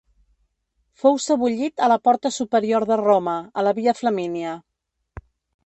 Fou sebollit a la Porta Superior de Roma, a la Via Flamínia.